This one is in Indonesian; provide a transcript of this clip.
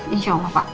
insya allah pak